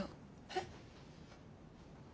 えっ？